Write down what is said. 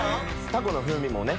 タコの風味もね